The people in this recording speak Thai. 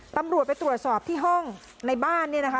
ตำรวจไปตรวจสอบที่ห้องในบ้านเนี่ยนะคะ